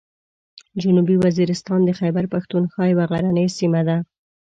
جنوبي وزیرستان د خیبر پښتونخوا یوه غرنۍ سیمه ده.